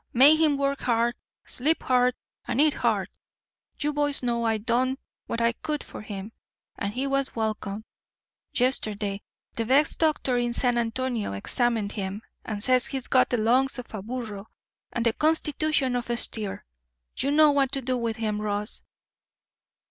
Make him work hard, sleep hard, and eat hard. You boys know I done what I could for him, and he was welcome. Yesterday the best doctor in San Antone examined him, and says he's got the lungs of a burro and the constitution of a steer. You know what to do with him, Ross."